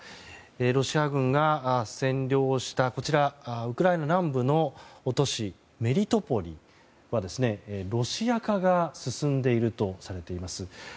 ロシア軍が占領したウクライナ南部の都市メリトポリはロシア化が進んでいるとされています。